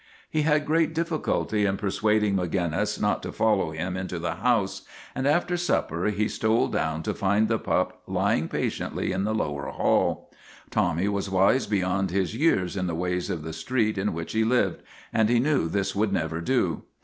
He had great difficulty in persuading Maginnis not to follow him into the house, and after supper he stole down to find the pup lying patiently in the lower hall. Tommy was wise beyond his years in the ways of the street in which he lived, and he knew this would never do.